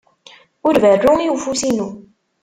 Ur berru i ufus-inu.